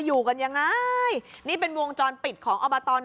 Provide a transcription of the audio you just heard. อยู่กันยังไงนี่เป็นวงจรปิดของอบตน